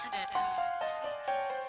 ada ada aja sih